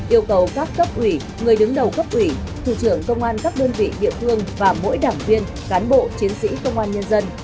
yêu cầu các cấp ủy người đứng đầu cấp ủy thủ trưởng công an các đơn vị địa phương và mỗi đảng viên cán bộ chiến sĩ công an nhân dân